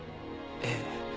ええ。